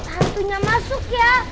hantunya masuk ya